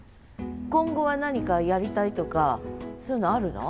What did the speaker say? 今後は何かやりたいとかそういうのあるの？